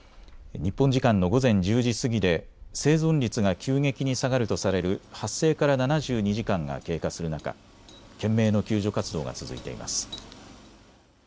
日本時間の午前１０時過ぎで生存率が急激に下がるとされる発生から７２時間が経過する中、懸命の救助活動が続いています。